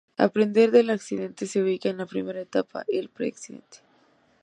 Aprender del accidente se ubica en la primera etapa, el Pre-accidente.